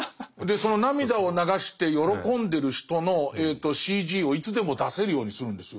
その涙を流して喜んでる人のＣＧをいつでも出せるようにするんですよ。